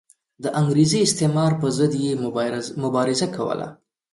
د انګریزي استعمار پر ضد یې مبارزه کوله.